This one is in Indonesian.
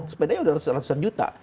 sepedanya udah ratusan ratusan juta